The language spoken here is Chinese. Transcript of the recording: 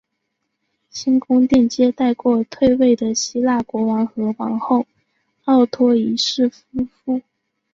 新宫殿接待过退位的希腊国王和王后奥托一世夫妇。